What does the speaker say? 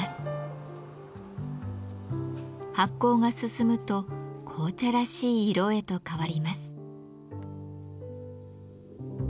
発酵が進むと紅茶らしい色へと変わります。